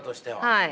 はい。